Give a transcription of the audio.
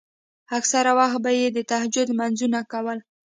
اکثره وخت به يې د تهجد لمونځونه کول.